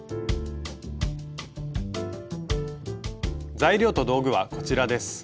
材料と道具はこちらです。